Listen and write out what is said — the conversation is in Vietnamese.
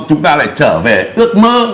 chúng ta lại trở về ước mơ